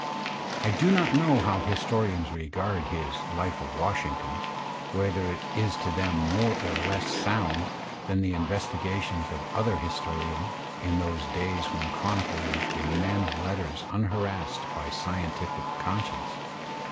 I do not know how historians regard his "life of Washington," whether it is to them more or less sound than the investiga tions of other historians in those days when chroniclers were men of letters unharassed by "scientific" conscience.